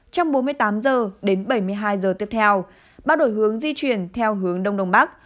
trong bốn mươi tám h đến bảy mươi hai giờ tiếp theo bão đổi hướng di chuyển theo hướng đông đông bắc